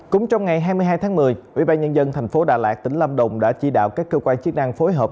cũng trong ngày hai mươi hai tháng một mươi ubnd tp đà lạt tỉnh lâm đồng đã chỉ đạo các cơ quan chức năng phối hợp